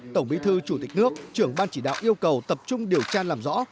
tổng bí thư chủ tịch nước trưởng ban chỉ đạo yêu cầu tập trung điều tra làm rõ